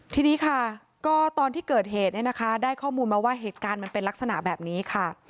ทีนี้ค่ะก็ตอนที่เกิดเหตุเนี่ยนะคะได้ข้อมูลมาว่าเหตุการณ์มันเป็นลักษณะแบบนี้ค่ะ